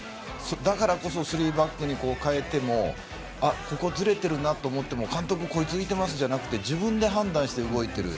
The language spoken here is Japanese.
だからこそスリーバックに変えてもここずれているなと思っても監督、こいついけますじゃなくて自分で判断して動いている。